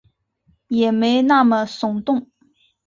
也没那么耸动